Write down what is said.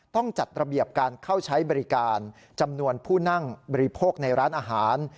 ต้องจัดระเบียบการเข้าใช้บริการจำนวนผู้นั่งบริโภคในร้านอาหาร